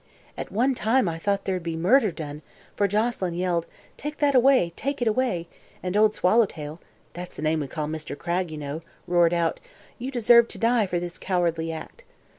"At one time I thought there'd be murder done, for Joselyn yelled: 'Take that away take it away!' and Old Swallowtail that's the name we call Mr. Cragg, you know roared out: 'You deserve to die for this cowardly act.'